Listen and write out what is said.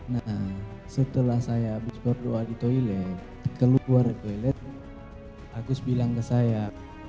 nah setelah saya habis berdoa di toilet keluar toilet agus bilang ke saya